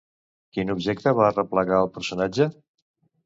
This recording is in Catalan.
Quin objecte va arreplegar el personatge?